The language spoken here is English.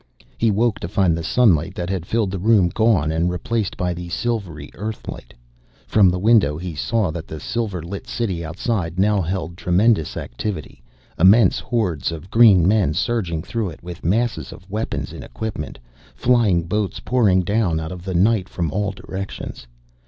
He woke to find the sunlight that had filled the room gone and replaced by the silvery Earth light. From the window he saw that the silver lit city outside now held tremendous activity, immense hordes of green men surging through it with masses of weapons and equipment, flying boats pouring down out of the night from all directions.